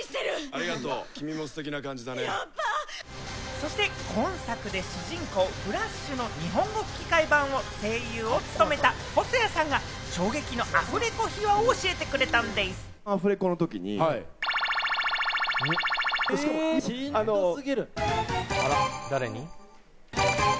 そして今作で主人公フラッシュの日本語吹き替え版の声優を務めた細谷さんが衝撃のアフレコ秘話を教えてくれたんでぃす。